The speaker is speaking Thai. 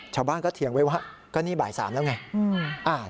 ชาวบ้านก็เถียงไว้ว่าก็นี่บ่าย๓แล้วไง